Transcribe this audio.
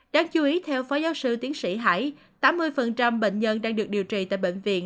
đáng chú ý theo phó giáo sư tiến sĩ hải tám mươi bệnh nhân đang được điều trị tại bệnh viện